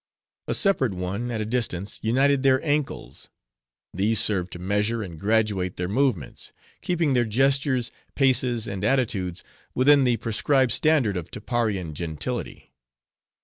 A separate one, at a distance, united their ankles. These served to measure and graduate their movements; keeping their gestures, paces, and attitudes, within the prescribed standard of Tapparian gentility.